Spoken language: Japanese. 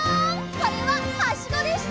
これははしごでした！